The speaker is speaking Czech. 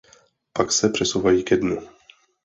Pak se přesouvají ke dnu.